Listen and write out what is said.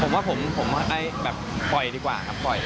ผมว่าผมปล่อยดีกว่าครับปล่อย